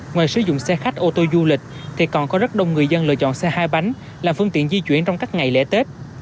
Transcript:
ngoài sử dụng xe khách ô tô du lịch thì còn có rất đông người dân lựa chọn xe hai bánh làm phương tiện di chuyển trong các ngày lễ tết